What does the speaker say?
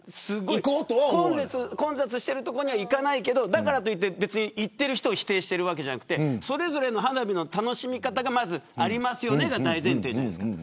混雑している所には行かないけどだからといって行っている人を否定してるわけじゃなくてそれぞれの花火の楽しみ方がありますよねが大前提じゃないですか。